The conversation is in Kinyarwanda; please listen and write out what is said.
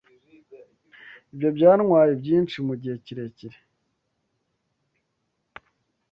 Ibyo byantwaye byinshi mugihe kirekire.